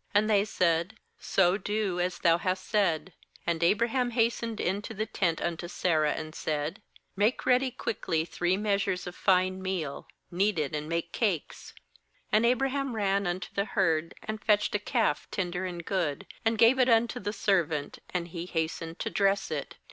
' And they said: 'So do, as thou hast said.' 6And Abraham has tened into the tent unto Sarah, and said: 'Make ready quickly three measures of fine meal, knead it, and make cakes.' 7And Abraham ran unto the herd, and fetched a calf tender and good, and gave it unto the servant; and he hastened to dress it.